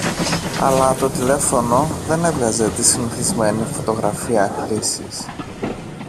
αλλά το τηλέφωνο δεν έβγαζε τη συνηθισμένη φωτογραφία κλήσης